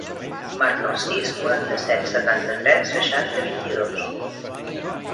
Marca el sis, quaranta-set, setanta-tres, seixanta, vint-i-dos.